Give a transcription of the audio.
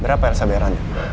berapa elsa bayar anda